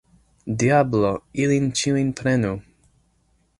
Diablo ilin ĉiujn prenu!